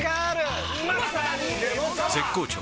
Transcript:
絶好調！！